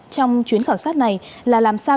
trong chuyến khảo sát này là làm sao